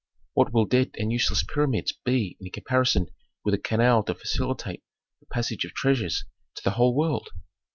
"What will dead and useless pyramids be in comparison with a canal to facilitate the passage of treasures to the whole world?"